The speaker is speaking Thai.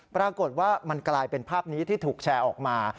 ปรากฏว่ามันกลายเป็นภาพนี้ที่ถูกแชร์ออกมา